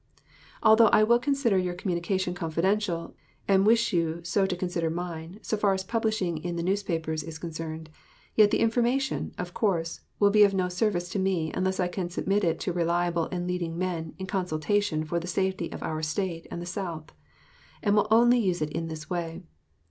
Although I will consider your communication confidential, and wish you so to consider mine so far as publishing in the newspapers is concerned, yet the information, of course, will be of no service to me unless I can submit it to reliable and leading men in consultation for the safety of our State and the South; and will only use it in this way.